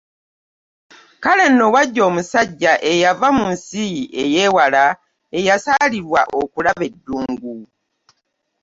Kale nno wajja omusajja eyava mu nsi ey'ewala eyasaalirwa okulaba eddungu.